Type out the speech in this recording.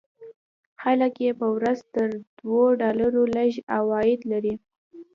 خلک یې په ورځ تر دوو ډالرو لږ عواید لري.